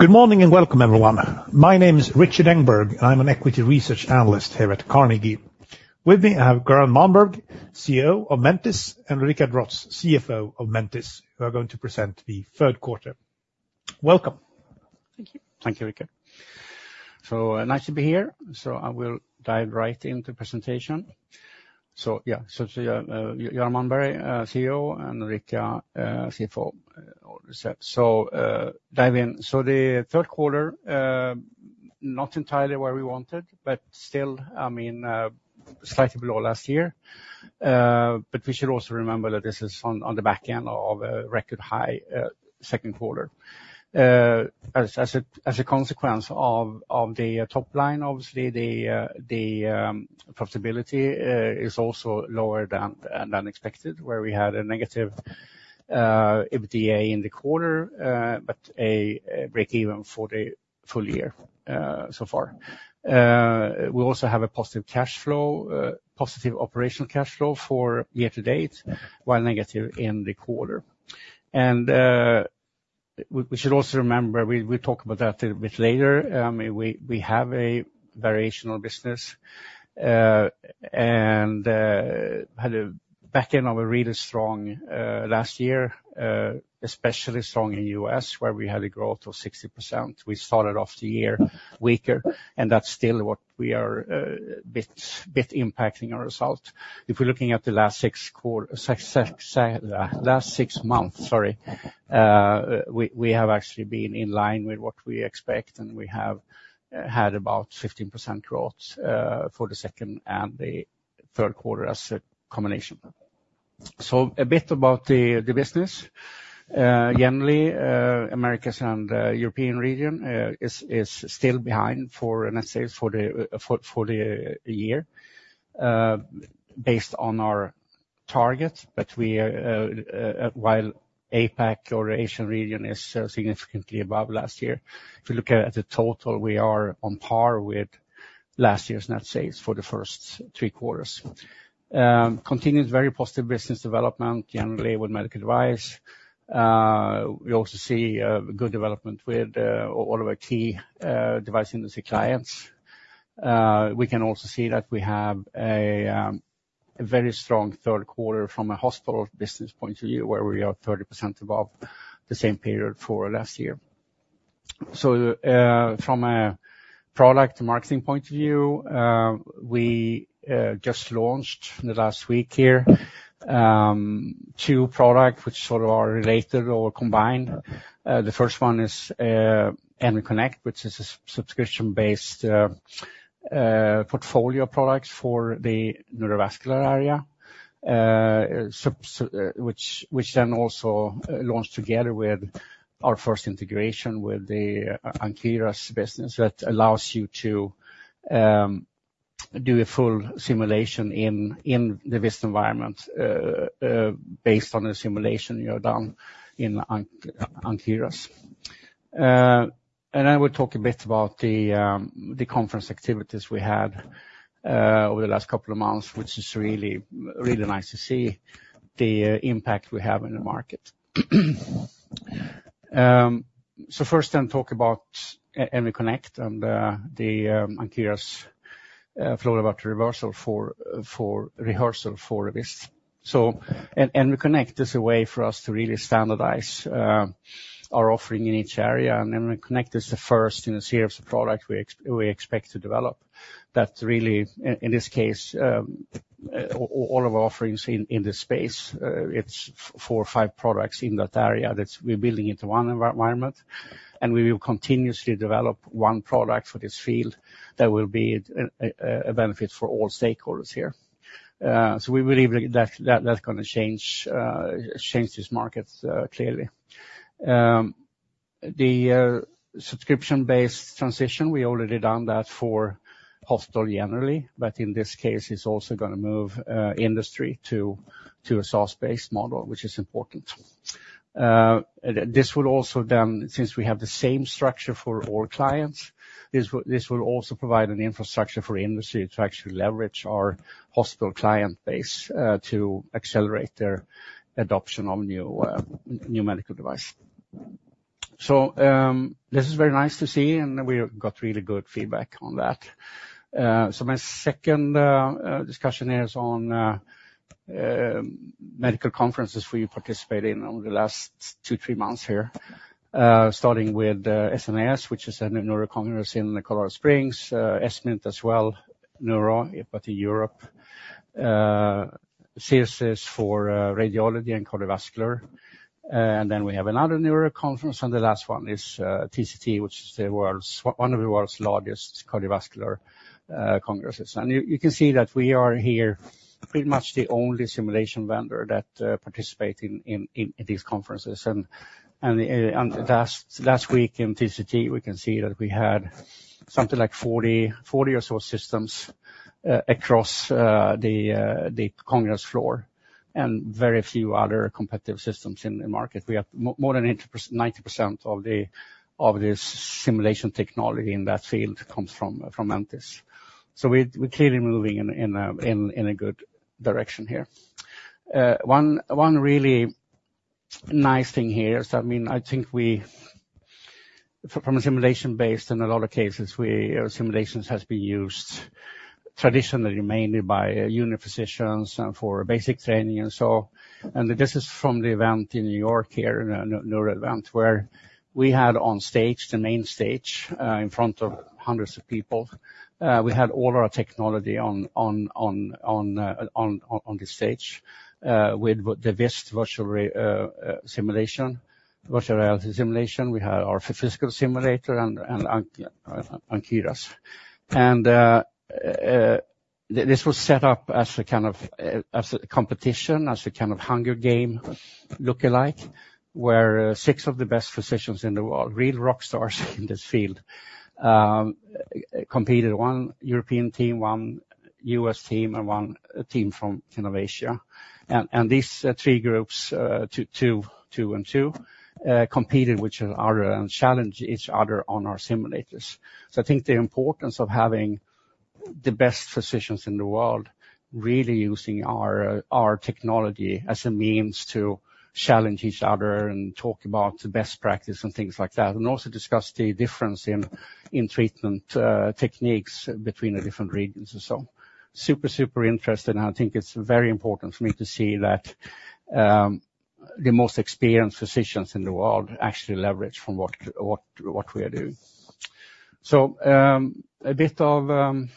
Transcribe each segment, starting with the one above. Good morning and welcome, everyone. My name is Rickard Engberg, and I'm an Equity Research Analyst here at Carnegie. With me I have Göran Malmberg, CEO of Mentice, and Ulrika Drotz, CFO of Mentice, who are going to present the third quarter. Welcome. Thank you. Thank you, Ulrika. Nice to be here. I will dive right into the presentation. Yeah, I am Göran Malmberg, CEO, and Ulrika, CFO. Dive in. The third quarter, not entirely where we wanted, but still, I mean, slightly below last year, but we should also remember that this is on the back end of a record high second quarter. As a consequence of the top line, obviously, the profitability is also lower than expected, where we had a negative EBITDA in the quarter, but a break-even for the full year so far. We also have a positive cash flow, positive operational cash flow for year to date, while negative in the quarter, and we should also remember. We'll talk about that a bit later. I mean, we have a seasonal business and had a back end of a really strong last year, especially strong in the U.S., where we had a growth of 60%. We started off the year weaker, and that's still what we are a bit impacting our result. If we're looking at the last six months, sorry, we have actually been in line with what we expect, and we have had about 15% growth for the second and the third quarter as a combination. So, a bit about the business. Generally, Americas and European region is still behind for net sales for the year, based on our target, but while APAC or the Asian region is significantly above last year. If you look at the total, we are on par with last year's net sales for the first three quarters. Continued very positive business development, generally with medical device. We also see good development with all of our key device industry clients. We can also see that we have a very strong third quarter from a hospital business point of view, where we are 30% above the same period for last year. So, from a product and marketing point of view, we just launched in the last week here two products which sort of are related or combined. The first one is EnerConnect, which is a subscription-based portfolio product for the neurovascular area, which then also launched together with our first integration with the Ankyras business that allows you to do a full simulation in the VIST environment based on a simulation you're done in Ankyras. And then we'll talk a bit about the conference activities we had over the last couple of months, which is really, really nice to see the impact we have in the market. First, then talk about EnerConnect and the Ankyras flow reversal for rehearsal for VIST. EnerConnect is a way for us to really standardize our offering in each area, and EnerConnect is the first in a series of products we expect to develop that really, in this case, all of our offerings in this space. It's four or five products in that area that we're building into one environment, and we will continuously develop one product for this field that will be a benefit for all stakeholders here. We believe that that's going to change this market clearly. The subscription-based transition. We already done that for hospital generally, but in this case, it's also going to move industry to a SaaS-based model, which is important. This will also then, since we have the same structure for all clients, this will also provide an infrastructure for industry to actually leverage our hospital client base to accelerate their adoption of new medical devices. So, this is very nice to see, and we got really good feedback on that. So, my second discussion here is on medical conferences we participated in over the last two, three months here, starting with SNIS, which is a neurocongress in Colorado Springs, ESMINT as well, Neuro empathy Europe, CIRSE for radiology and cardiovascular, and then we have another neuroconference, and the last one is TCT, which is one of the world's largest cardiovascular congresses, and you can see that we are here pretty much the only simulation vendor that participates in these conferences. And last week in TCT, we can see that we had something like 40 or so systems across the congress floor and very few other competitive systems in the market. We have more than 90% of this simulation technology in that field comes from Mentice. So, we're clearly moving in a good direction here. One really nice thing here is that, I mean, I think we, from a simulation-based, in a lot of cases, simulations have been used traditionally mainly by junior physicians for basic training and so on. And this is from the event in New York here, a neuro event, where we had on stage, the main stage in front of hundreds of people, we had all our technology on this stage with the VIST virtual simulation, virtual reality simulation. We had our physical simulator and Ankyras. This was set up as a kind of competition, as a kind of Hunger Games lookalike, where six of the best physicians in the world, real rock stars in this field, competed: one European team, one U.S. team, and one team from Indonesia. And these three groups, two and two, competed, which are and challenged each other on our simulators. So, I think the importance of having the best physicians in the world really using our technology as a means to challenge each other and talk about best practice and things like that, and also discuss the difference in treatment techniques between the different regions and so on. Super, super interesting. I think it's very important for me to see that the most experienced physicians in the world actually leverage from what we are doing. So, a bit of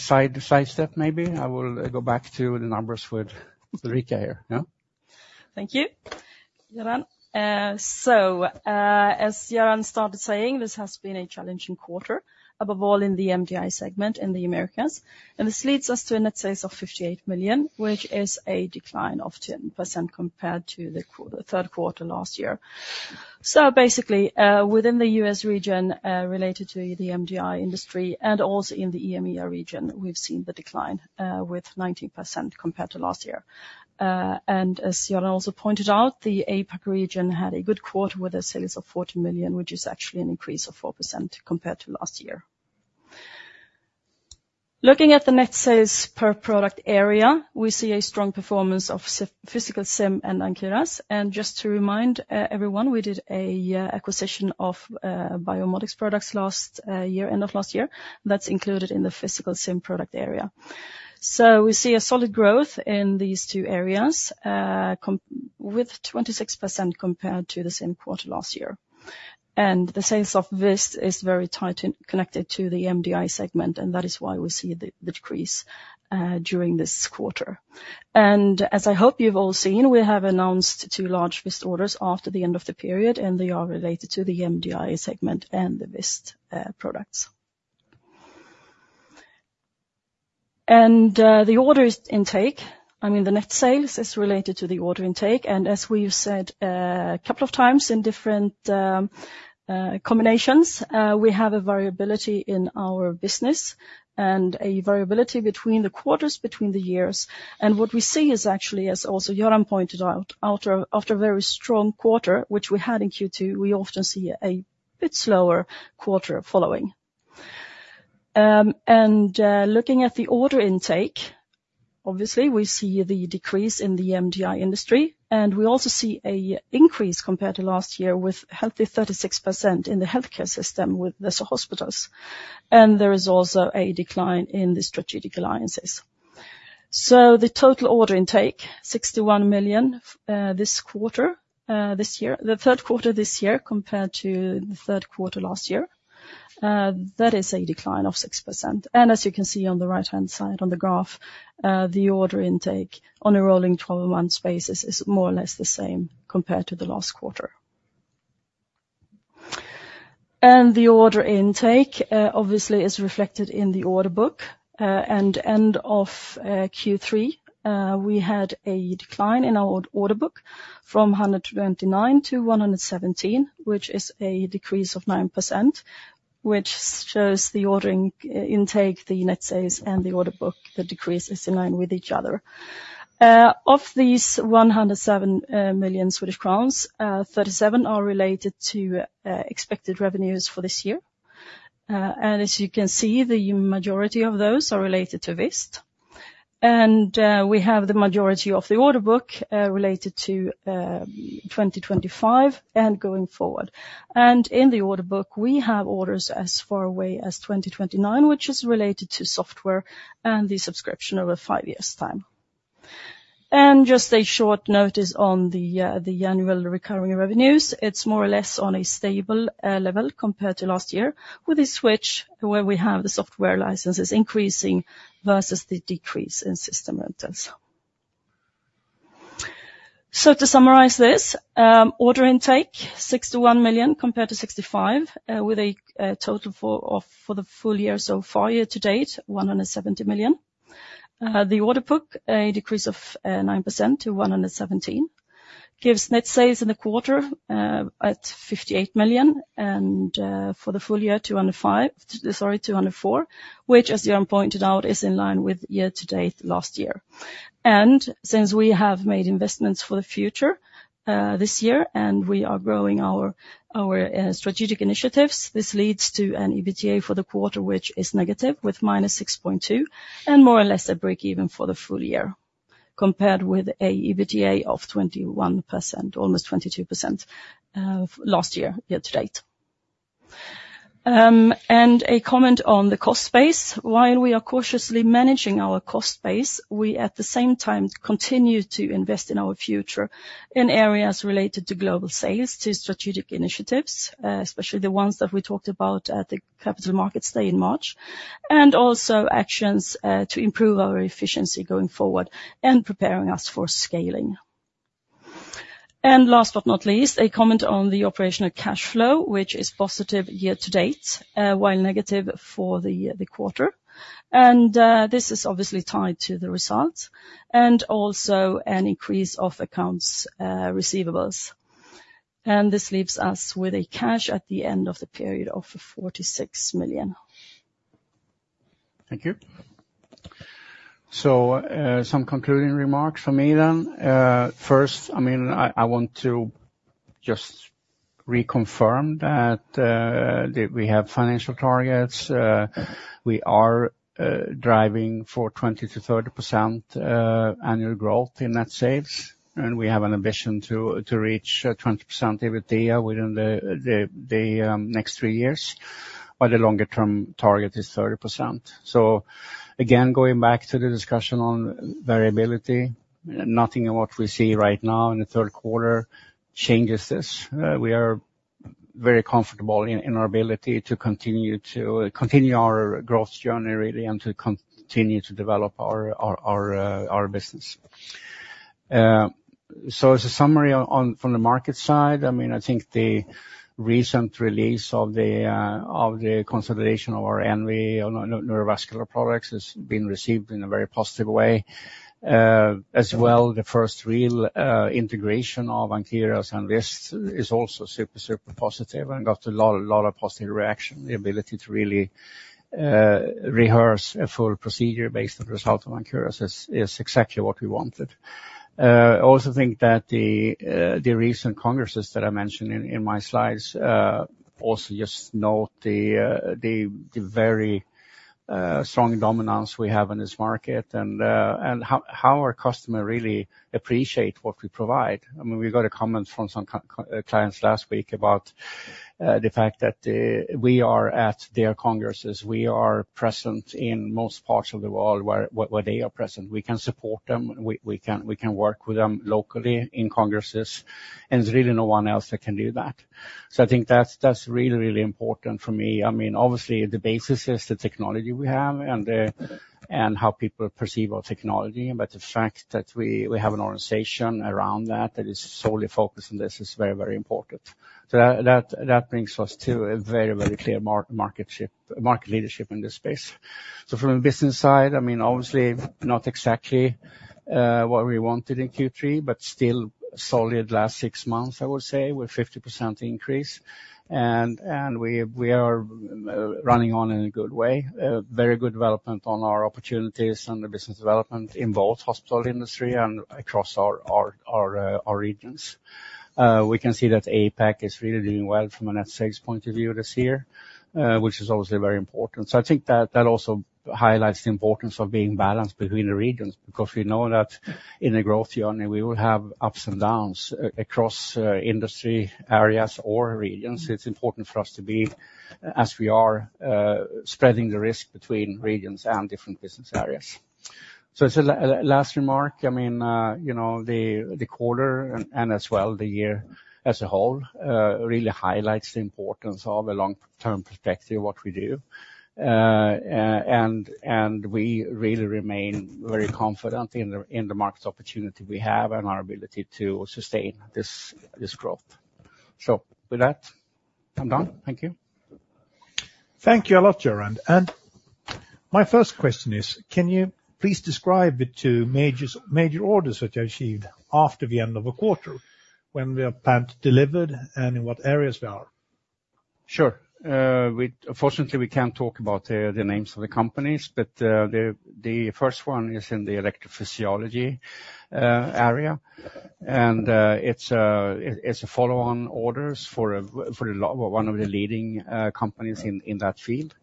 sidestep maybe. I will go back to the numbers with Ulrika here. Yeah. Thank you, Göran. So, as Göran started saying, this has been a challenging quarter, above all in the MDI segment in the Americas. And this leads us to net sales of 58 million, which is a decline of 10% compared to the third quarter last year. So, basically, within the US region related to the MDI industry and also in the EMEA region, we've seen the decline with 19% compared to last year. And as Göran also pointed out, the APAC region had a good quarter with sales of 40 million, which is actually an increase of 4% compared to last year. Looking at the net sales per product area, we see a strong performance of physical SIM and Ankyras. And just to remind everyone, we did an acquisition of Biomedics products last year, end of last year. That's included in the physical sim product area. So, we see a solid growth in these two areas with 26% compared to the same quarter last year. And the sales of VIST is very tightly connected to the MDI segment, and that is why we see the decrease during this quarter. And as I hope you've all seen, we have announced two large VIST orders after the end of the period, and they are related to the MDI segment and the VIST products. And the order intake, I mean, the net sales is related to the order intake. And as we've said a couple of times in different combinations, we have a variability in our business and a variability between the quarters, between the years. And what we see is actually, as also Göran pointed out, after a very strong quarter, which we had in Q2, we often see a bit slower quarter following. Looking at the order intake, obviously, we see the decrease in the MDI industry, and we also see an increase compared to last year with a healthy 36% in the healthcare system with the hospitals. There is also a decline in the strategic alliances. The total order intake, 61 million this quarter, this year, the third quarter this year compared to the third quarter last year, that is a decline of 6%. As you can see on the right-hand side on the graph, the order intake on a rolling 12-month basis is more or less the same compared to the last quarter. The order intake, obviously, is reflected in the order book. the end of Q3, we had a decline in our order book from 129 to 117, which is a decrease of 9%, which shows the ordering intake, the net sales, and the order book. The decrease is in line with each other. Of these 107 million Swedish crowns, 37 are related to expected revenues for this year. As you can see, the majority of those are related to VIST. We have the majority of the order book related to 2025 and going forward. In the order book, we have orders as far away as 2029, which is related to software and the subscription over five years' time. Just a short notice on the annual recurring revenues. It's more or less on a stable level compared to last year, with a switch where we have the software licenses increasing versus the decrease in system rentals. To summarize this, order intake, 61 million compared to 65 million, with a total for the full year so far year to date, 170 million. The order book, a decrease of 9% to 117 million, gives net sales in the quarter at 58 million and for the full year to 204 million, which, as Göran pointed out, is in line with year to date last year. Since we have made investments for the future this year and we are growing our strategic initiatives, this leads to an EBITDA for the quarter, which is negative with minus 6.2 million and more or less a break-even for the full year compared with an EBITDA of 21%, almost 22% last year, year to date. A comment on the cost space. While we are cautiously managing our cost base, we at the same time continue to invest in our future in areas related to global sales, to strategic initiatives, especially the ones that we talked about at the capital markets day in March, and also actions to improve our efficiency going forward and preparing us for scaling. And last but not least, a comment on the operational cash flow, which is positive year to date while negative for the quarter. And this is obviously tied to the results and also an increase of accounts receivables. And this leaves us with cash at the end of the period of 46 million. Thank you. Some concluding remarks for me then. First, I mean, I want to just reconfirm that we have financial targets. We are driving for 20%-30% annual growth in net sales, and we have an ambition to reach 20% EBITDA within the next three years, but the longer-term target is 30%. Again, going back to the discussion on variability, nothing of what we see right now in the third quarter changes this. We are very comfortable in our ability to continue our growth journey, really, and to continue to develop our business. As a summary from the market side, I mean, I think the recent release of the consolidation of our NV neurovascular products has been received in a very positive way. As well, the first real integration of Ankyras and VIST is also super, super positive and got a lot of positive reaction. The ability to really rehearse a full procedure based on the result of Ankyras is exactly what we wanted. I also think that the recent congresses that I mentioned in my slides also just note the very strong dominance we have in this market and how our customers really appreciate what we provide. I mean, we got a comment from some clients last week about the fact that we are at their congresses. We are present in most parts of the world where they are present. We can support them. We can work with them locally in congresses, and there's really no one else that can do that. So, I think that's really, really important for me. I mean, obviously, the basis is the technology we have and how people perceive our technology, but the fact that we have an organization around that that is solely focused on this is very, very important. So, that brings us to a very, very clear market leadership in this space. So, from a business side, I mean, obviously, not exactly what we wanted in Q3, but still solid last six months, I would say, with 50% increase. And we are running on in a good way. Very good development on our opportunities and the business development in both hospital industry and across our regions. We can see that APAC is really doing well from a net sales point of view this year, which is obviously very important. So, I think that also highlights the importance of being balanced between the regions because we know that in a growth journey, we will have ups and downs across industry areas or regions. It's important for us to be, as we are, spreading the risk between regions and different business areas. So, as a last remark, I mean, you know the quarter and as well the year as a whole really highlights the importance of a long-term perspective of what we do, and we really remain very confident in the market opportunity we have and our ability to sustain this growth. So, with that, I'm done. Thank you. Thank you a lot, Göran, and my first question is, can you please describe the two major orders that you achieved after the end of the quarter when they are planned to be delivered and in what areas they are? Sure. Fortunately, we can't talk about the names of the companies, but the first one is in the electrophysiology area. And it's a follow-on order for one of the leading companies in that field.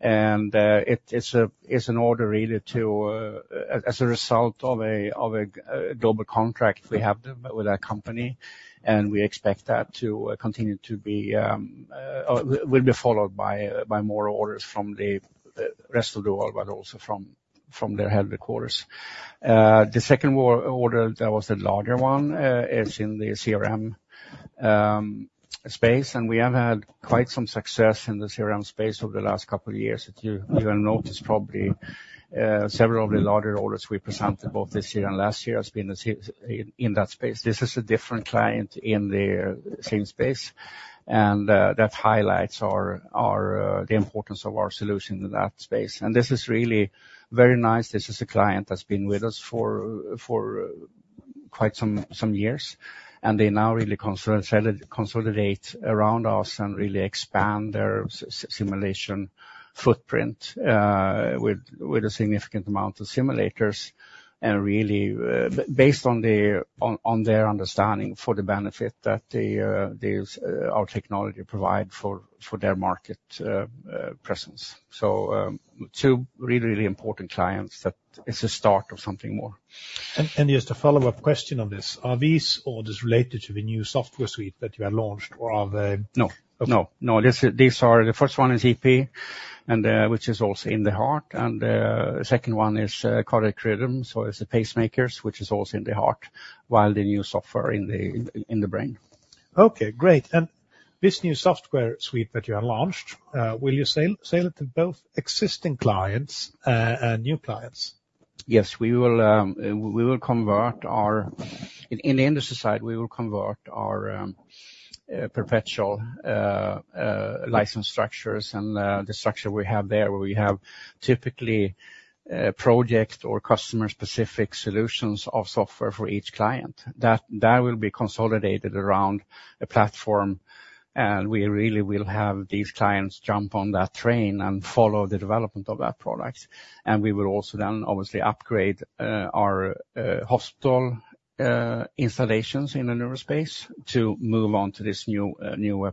And it's an order really to, as a result of a global contract we have with that company, and we expect that to continue to be, will be followed by more orders from the rest of the world, but also from their headquarters. The second order that was a larger one is in the CRM space. And we have had quite some success in the CRM space over the last couple of years. You have noticed probably several of the larger orders we presented both this year and last year have been in that space. This is a different client in the same space, and that highlights the importance of our solution in that space. And this is really very nice. This is a client that's been with us for quite some years, and they now really consolidate around us and really expand their simulation footprint with a significant amount of simulators, and really based on their understanding for the benefit that our technology provides for their market presence. So, two really, really important clients that is a start of something more. And just a follow-up question on this. Are these orders related to the new software suite that you have launched, or are they? No, no, no. The first one is EP, which is also in the heart. And the second one is Cardiac Rhythm, so it's the pacemakers, which is also in the heart, while the new software is in the brain. Okay, great. This new software suite that you have launched, will you sell it to both existing clients and new clients? Yes, we will convert our, in the industry side, perpetual license structures and the structure we have there, where we have typically project or customer-specific solutions of software for each client. That will be consolidated around a platform, and we really will have these clients jump on that train and follow the development of that product. And we will also then, obviously, upgrade our hospital installations in the neuro space to move on to this new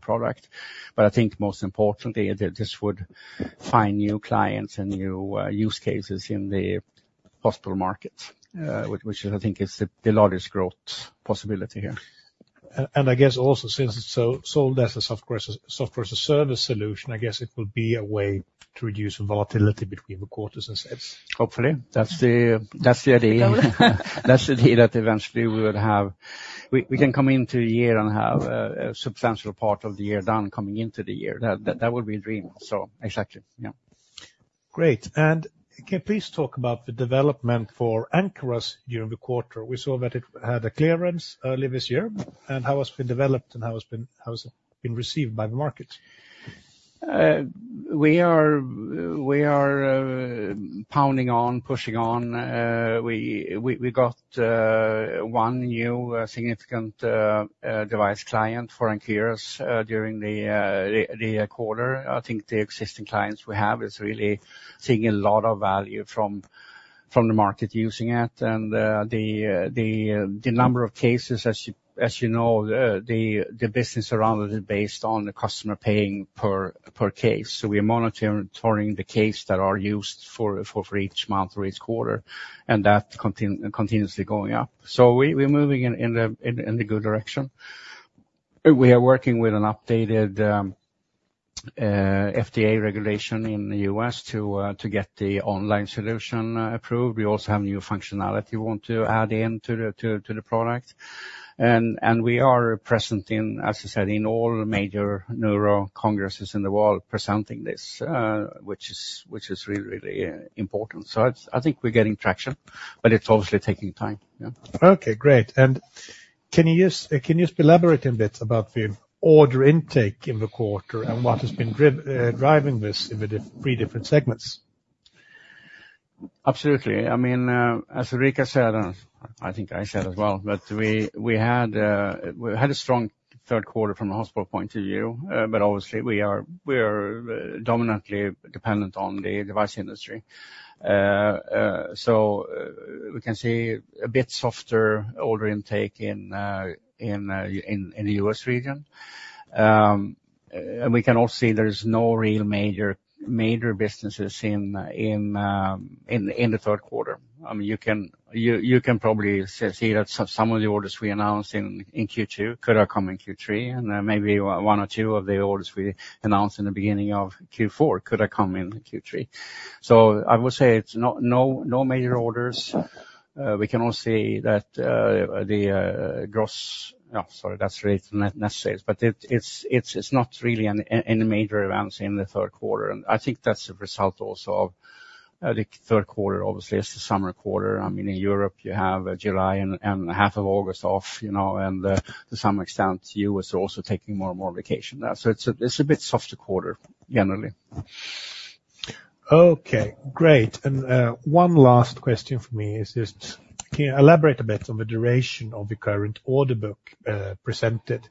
product. But I think most importantly, this would find new clients and new use cases in the hospital market, which I think is the largest growth possibility here. I guess also since it's a SaaS-level software as a service solution, I guess it will be a way to reduce volatility between the quarters and sales. Hopefully. That's the idea. That's the idea that eventually we would have, we can come into the year and have a substantial part of the year done coming into the year. That would be a dream. Exactly. Yeah. Great. Can you please talk about the development for Ankyras during the quarter? We saw that it had a clearance early this year. And how has it been developed and how has it been received by the market? We are pounding on, pushing on. We got one new significant device client for Ankyras during the quarter. I think the existing clients we have are really seeing a lot of value from the market using it. The number of cases, as you know, the business around it is based on the customer paying per case. So, we are monitoring the cases that are used for each month or each quarter, and that continuously going up. So, we're moving in the good direction. We are working with an updated FDA regulation in the U.S. to get the online solution approved. We also have new functionality we want to add into the product. And we are present in, as I said, in all major neuro congresses in the world presenting this, which is really, really important. So, I think we're getting traction, but it's obviously taking time. Yeah. Okay, great. And can you just elaborate a bit about the order intake in the quarter and what has been driving this in the three different segments? Absolutely. I mean, as Ulrika said, and I think I said as well, but we had a strong third quarter from a hospital point of view, but obviously, we are dominantly dependent on the device industry. So, we can see a bit softer order intake in the US region. And we can also see there is no real major businesses in the third quarter. I mean, you can probably see that some of the orders we announced in Q2 could have come in Q3, and maybe one or two of the orders we announced in the beginning of Q4 could have come in Q3. So, I would say it's no major orders. We can also see that the gross, sorry, that's related to net sales, but it's not really any major events in the third quarter. I think that's a result also of the third quarter, obviously. It's the summer quarter. I mean, in Europe, you have July and half of August off, and to some extent, the U.S. is also taking more and more vacation there. So, it's a bit softer quarter generally. Okay, great. And one last question for me is just, can you elaborate a bit on the duration of the current order book presented?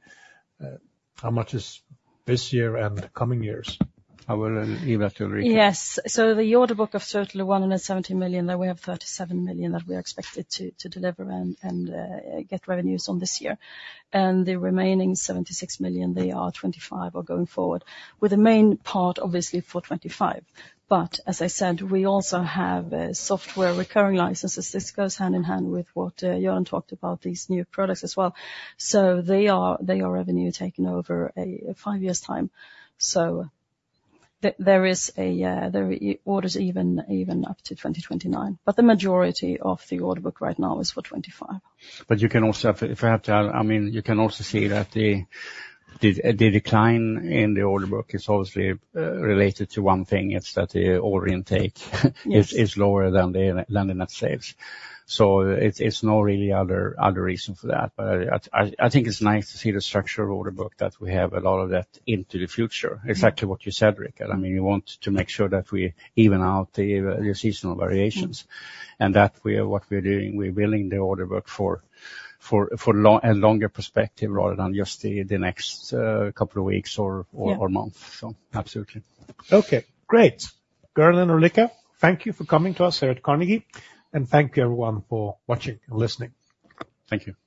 How much is this year and the coming years? I will leave that to Ulrika. Yes. So, the order book of totally 170 million, that we have 37 million that we are expected to deliver and get revenues on this year. And the remaining 76 million, they are for 2025 or going forward, with the main part obviously for 2025. But as I said, we also have software recurring licenses that goes hand in hand with what Göran talked about, these new products as well. So, they are revenue taken over five years' time. So, there are orders even up to 2029, but the majority of the order book right now is for 2025. But you can also, if I have to add, I mean, you can also see that the decline in the order book is obviously related to one thing. It's that the order intake is lower than the net sales. So, it's no really other reason for that. But I think it's nice to see the structure of the order book that we have a lot of that into the future. Exactly what you said, Ulrika. I mean, we want to make sure that we even out the seasonal variations and that what we are doing, we're billing the order book for a longer perspective rather than just the next couple of weeks or months. So, absolutely. Okay, great. Göran and Ulrika, thank you for coming to us here at Carnegie, and thank you everyone for watching and listening. Thank you.